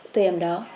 từ em đó